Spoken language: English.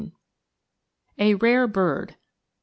A RARE BIRD.